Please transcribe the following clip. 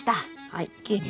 はい。